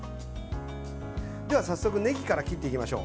では、早速ねぎから切っていきましょう。